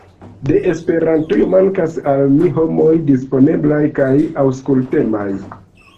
De Esperantujo, mankas al mi homoj disponeblaj kaj aŭskultemaj.